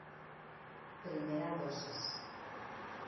Primera dosis